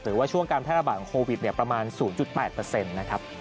ถือว่าช่วงการท่าระบาดของโควิดประมาณ๐๘เปอร์เซ็นต์นะครับ